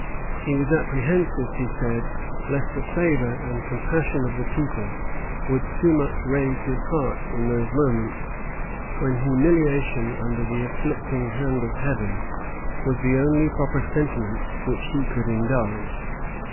He was apprehensive, he said, lest the favor and compassion of the people would too much raise his heart in those moments, when humiliation under the afflicting hand of Heaven was the only proper sentiment which he could indulge.